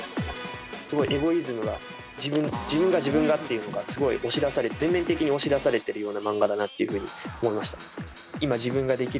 すごいエゴイズムが自分が自分がっていうのが全面的に押し出されているような漫画だなっていうふうに思いましたね。